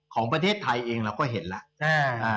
ของประเทศไทยเองเราก็เห็นแล้ว